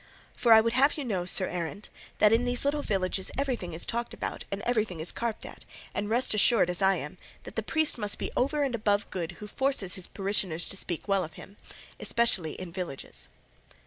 For I would have you know, Sir Errant, that in these little villages everything is talked about and everything is carped at, and rest assured, as I am, that the priest must be over and above good who forces his parishioners to speak well of him, especially in villages."